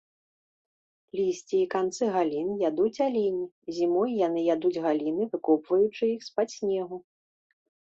Лісце і канцы галін ядуць алені, зімой яны ядуць галіны выкопваючы іх з-пад снегу.